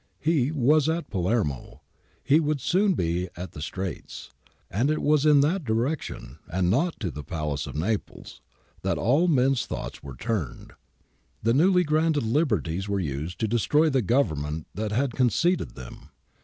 * He ' was at Palermo, he would soon be at the Straits, and it was in that direc tion and not to the Palace of Naples that all men's thoughts were turned. The newly granted liberties were used to destroy the Government that had conceded them.